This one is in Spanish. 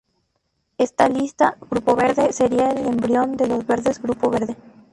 Esta lista, Grupo Verde, sería el embrión de Los Verdes-Grupo Verde.